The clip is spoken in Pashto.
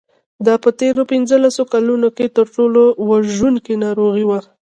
دا په تېرو پنځلسو کلونو کې تر ټولو وژونکې ناروغي وه.